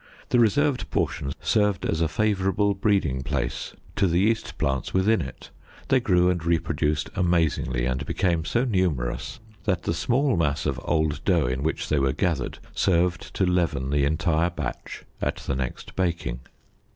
The reserved portion served as a favorable breeding place to the yeast plants within it; they grew and reproduced amazingly, and became so numerous, that the small mass of old dough in which they were gathered served to leaven the entire batch at the next baking.